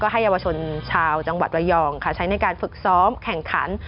ให้เยาวชนชาวจังหวัดระยองใช้ในการฝึกซ้อมแข่งขัน